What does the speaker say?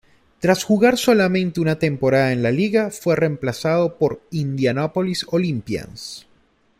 Tras jugar solamente una temporada en la liga, fue reemplazado por Indianapolis Olympians.